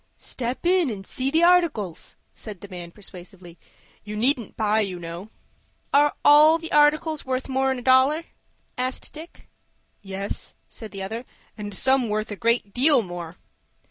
"Step in and see the articles," said the man, persuasively. "You needn't buy, you know." "Are all the articles worth more'n a dollar?" asked Dick. "Yes," said the other, "and some worth a great deal more."